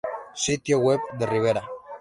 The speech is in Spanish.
Sitio web de Rivera